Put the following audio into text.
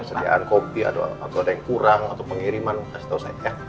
sediaan kopi atau ada yang kurang atau pengiriman kasih tahu saya ya